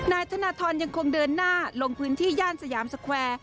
นายธนทรยังคงเดินหน้าลงพื้นที่ย่านสยามสแควร์